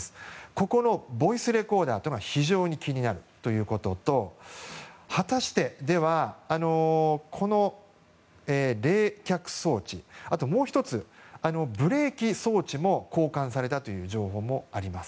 ここのボイスレコーダーが非常に気になるということと果たして、この冷却装置あと、もう１つブレーキ装置も交換されたという情報もあります。